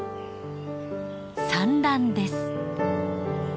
産卵です。